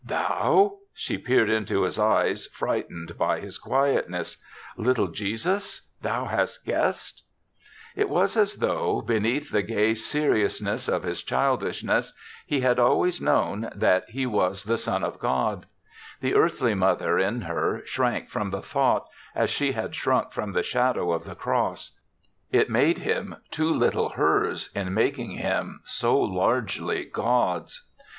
"Thou!'* She peered into his eyes, frightened by his quietness, " Little Jesus, thou hast guessed? " It was as though, beneath the gay seriousness of his childishness, he Ijad always known that he was the 30 THE SEVENTH CHRISTMAS son of God. The earthly mother in her shrank from the thought^ as she had shrunk from the shadow of the cross. It made him too little hers in making him so largely God's.